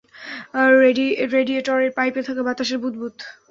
রেডিয়েটরের পাইপে থাকা বাতাসের বুদবুদ।